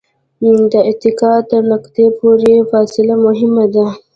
د اتکا تر نقطې پورې فاصله مهمه ده.